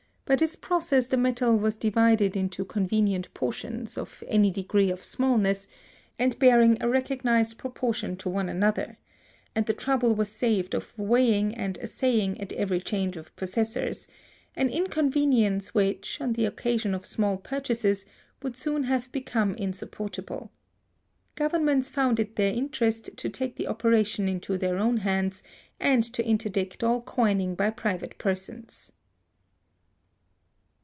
By this process the metal was divided into convenient portions, of any degree of smallness, and bearing a recognized proportion to one another; and the trouble was saved of weighing and assaying at every change of possessors—an inconvenience which, on the occasion of small purchases, would soon have become insupportable. Governments found it their interest to take the operation into their own hands, and to interdict all coining by private persons.